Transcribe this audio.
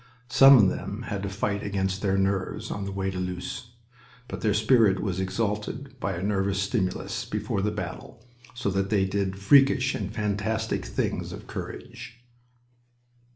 Some of them had to fight against their nerves on the way to Loos. But their spirit was exalted by a nervous stimulus before that battle, so that they did freakish and fantastic things of courage.